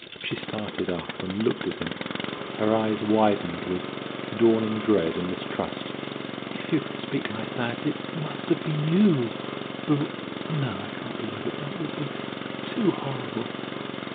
She started up and looked at him, her eyes widened with dawning dread and mistrust. "If you can speak like that," she said, "it must have been you who no, I can't believe it that would be too horrible!"